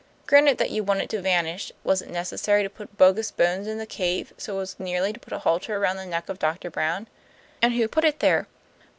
Granted that you wanted to vanish, was it necessary to put bogus bones in the cave, so as nearly to put a halter round the neck of Doctor Brown? And who put it there?